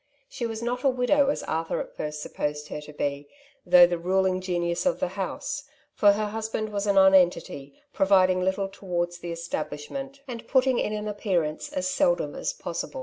She was not a widow, as Arthur at first supposed her to be, though the ruling genius of the house, for her husband was a nonentity, providing little towards the establishment, and putting in an appearance as seldom as possible.